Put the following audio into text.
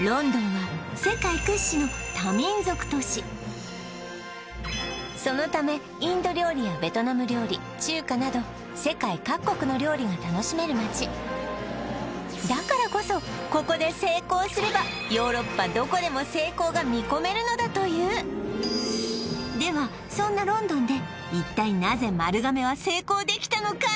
ロンドンはそのためインド料理やベトナム料理中華など世界各国の料理が楽しめる街だからこそここで成功すればヨーロッパどこでも成功が見込めるのだというではそんなロンドンで一体なぜ丸亀は成功できたのか？